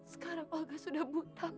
sekarang olga sudah buta pak